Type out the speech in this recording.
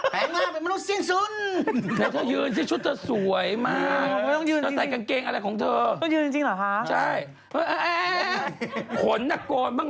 แปลงร่างเป็นมนุษย์เชี่ยงสุน